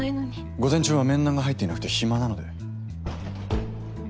午前中は面談が入っていなくて暇なので。